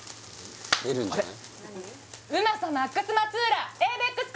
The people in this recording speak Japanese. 出るんじゃない？